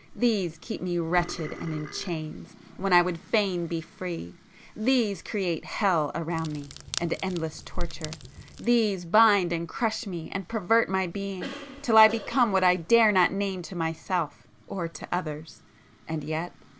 —these keep me wretched and in chains, when I would fain be free. These create hell around me, and endless torture,—these bind and crush me and pervert my being till I become what I dare not name to myself, or to others. And yet